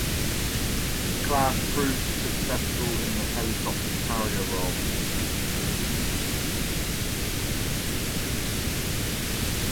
The class proved successful in the helicopter carrier role.